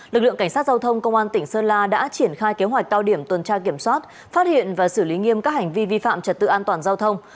lực lượng cảnh sát giao thông công an tỉnh sơn la đã triển khai kế hoạch cao điểm tuần tra kiểm soát phát hiện và xử lý nghiêm các hành vi vi phạm trật tự an toàn giao thông